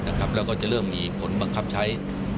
แล้วก็จะเริ่มมีผลบังคับใช้